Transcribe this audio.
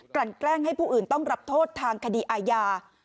ลั่นแกล้งให้ผู้อื่นต้องรับโทษทางคดีอาญา